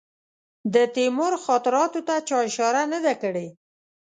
د تیمور خاطراتو ته چا اشاره نه ده کړې.